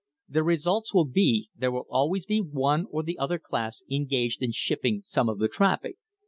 The result will be there will be always one or the other class engaged in shipping some of the traffic.